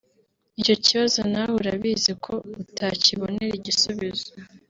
Icyo kibazo nawe urabizi ko utakibonera igisubizo